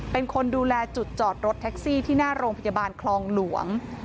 เป็นคนดูแลจุดจอดรถแท็กซี่ที่หน้าโรงพยาบาลคลองหลวง